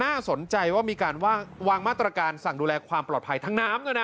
น่าสนใจว่ามีการวางมาตรการสั่งดูแลความปลอดภัยทั้งน้ำด้วยนะ